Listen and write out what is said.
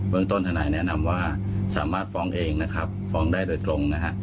เมืองต้นทนายแนะนำว่าสามารถฟ้องเองนะครับฟ้องได้โดยตรงนะฮะ